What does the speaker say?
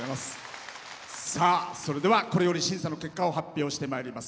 それでは、これより審査の結果を発表してまいります。